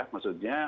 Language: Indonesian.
maksudnya yang baik